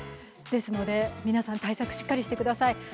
ですので、皆さん対策しっかりしてください。